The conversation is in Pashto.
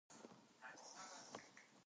الله په چا باندي د يوې ذري په اندازه ظلم نکوي